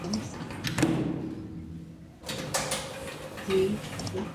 La identidad de Euler es una consecuencia inmediata de la fórmula de Euler.